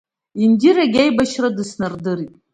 Индирагьы аибашьра дыснардырит.